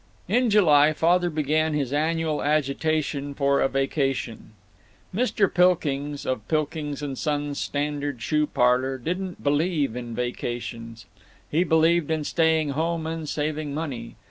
In July, Father began his annual agitation for a vacation. Mr. Pilkings, of Pilkings & Son's Standard Shoe Parlor, didn't believe in vacations. He believed in staying home and saving money.